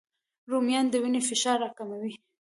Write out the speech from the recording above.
رومیان د وینې فشار راکموي